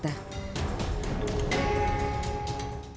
f rizal jakarta